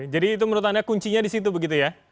jadi itu menurut anda kuncinya di situ begitu ya